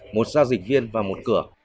một giao dịch viên và một cửa